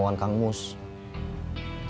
itulah dan vpisa